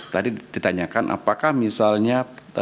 tadi ditanyakan apakah misalnya